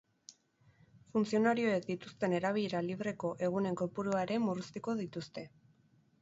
Funtzionarioek dituzten erabilera libreko egunen kopurua ere murriztuko dituzte.